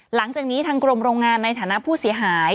หลังจากนี้ทางกรมโรงงานในฐานะผู้เสียหาย